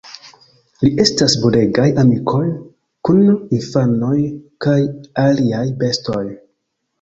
Ili estas bonegaj amikoj kun infanoj kaj aliaj bestoj.